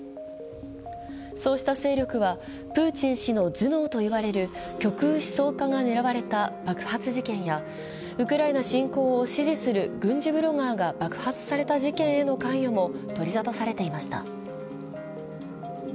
そうした勢力はプーチン氏の頭脳と言われる極右思想家が狙われた爆発事件やウクライナ侵攻を支持する軍事ブロガーが爆殺された事件への関与も取りざたされていました。